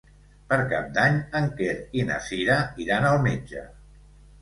Per Cap d'Any en Quer i na Cira iran al metge.